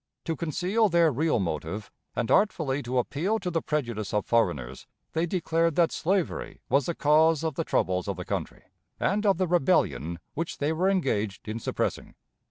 To conceal their real motive, and artfully to appeal to the prejudice of foreigners, they declared that slavery was the cause of the troubles of the country, and of the "rebellion" which they were engaged in suppressing.